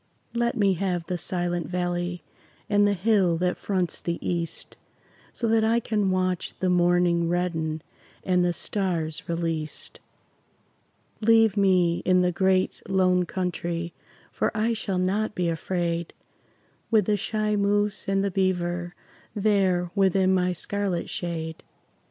Let me have the Silent Valley And the hill that fronts the east, So that I can watch the morning Redden and the stars released. Leave me in the Great Lone Country, For I shall not be afraid With the shy moose and the beaver There within my scarlet shade.